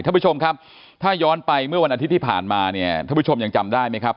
ท่านผู้ชมครับถ้าย้อนไปเมื่อวันอาทิตย์ที่ผ่านมาเนี่ยท่านผู้ชมยังจำได้ไหมครับ